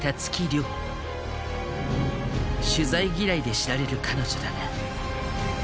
取材嫌いで知られる彼女だが。